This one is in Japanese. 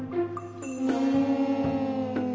うん。